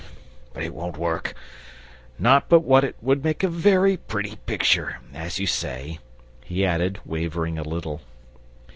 "But it won't work. Not but what it would make a very pretty picture, as you say," he added, wavering a little.